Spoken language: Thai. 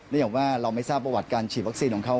อย่างว่าเราไม่ทราบประวัติการฉีดวัคซีนของเขา